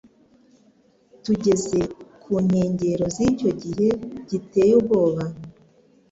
Tugeze ku nkengero z'icyo gihe giteye ubwoba